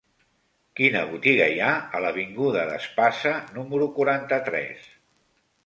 Quina botiga hi ha a l'avinguda d'Espasa número quaranta-tres?